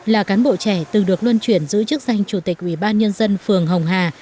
là cán bộ trẻ từ được luân chuyển giữ chức danh chủ tịch ubnd phường hồng hà